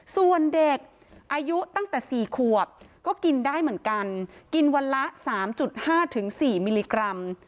ส่วนเด็กอายุตั้งแต่๔ขวบก็กินได้เหมือนกันกินวันละ๓๕๔มิลลิกรัม